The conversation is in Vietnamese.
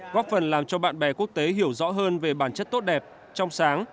góp phần làm cho bạn bè quốc tế hiểu rõ hơn về bản chất tốt đẹp trong sáng